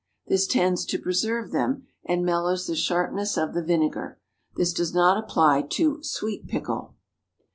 This tends to preserve them, and mellows the sharpness of the vinegar. This does not apply to sweet pickle.